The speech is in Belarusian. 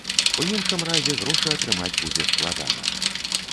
У іншым разе грошы атрымаць будзе складана.